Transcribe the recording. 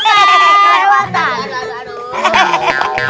aduh aduh aduh